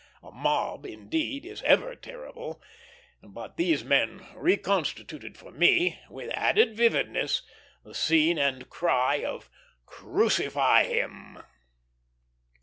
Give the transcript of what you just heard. A mob, indeed, is ever terrible; but these men reconstituted for me, with added vividness, the scene and the cry of "Crucify Him!"